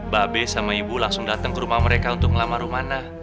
babe sama ibu langsung datang ke rumah mereka untuk ngelamar rumahnya